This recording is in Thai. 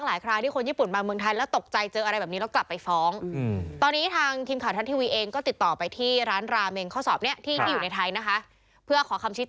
อ่าตกลงยังไงกันแน่